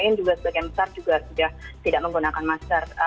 yang juga sebagian besar juga sudah tidak menggunakan masker